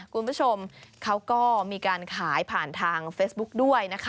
คุณผู้ชมเขาก็มีการขายผ่านทางเฟซบุ๊กด้วยนะคะ